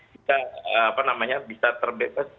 kita apa namanya bisa terbebas